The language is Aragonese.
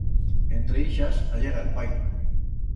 Entre ixas allega el pai.